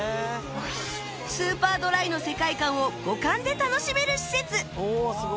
スーパードライの世界観を五感で楽しめる施設